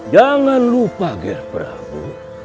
jangan lupa gher prabu